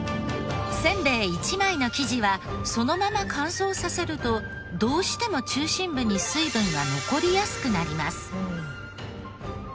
せんべい１枚の生地はそのまま乾燥させるとどうしても中心部に水分が残りやすくなります。